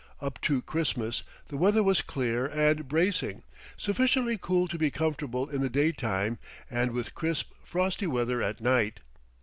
Up to Christmas the weather was clear and bracing, sufficiently cool to be comfortable in the daytime, and with crisp, frosty weather at night.